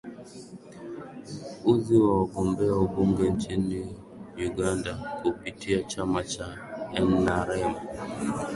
uzi wa wagombea ubunge nchini uganda kupitia chama cha nrm